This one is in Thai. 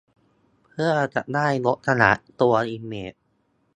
เพื่อจะได้ลดขนาดตัวอิมเมจ